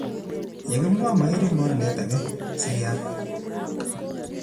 Yekimwaa, mairie morenet agenge kisiriat